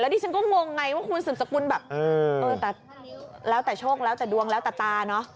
ดิฉันก็งงไงว่าคุณสืบสกุลแบบเออแต่แล้วแต่โชคแล้วแต่ดวงแล้วแต่ตาเนอะ